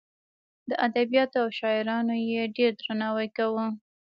د ادبیاتو او شاعرانو یې ډېر درناوی کاوه.